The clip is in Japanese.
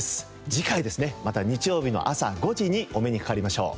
次回ですねまた日曜日の朝５時にお目にかかりましょう。